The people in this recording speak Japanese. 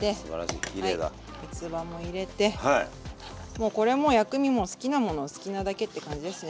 もうこれも薬味も好きなものを好きなだけって感じですね。